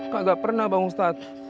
kak gak pernah bang ustadz